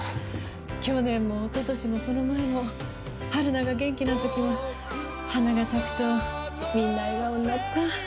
去年も一昨年もその前も春菜が元気な時は花が咲くとみんな笑顔になった。